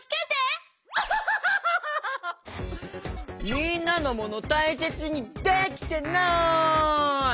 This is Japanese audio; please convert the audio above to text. みんなのモノたいせつにできてない！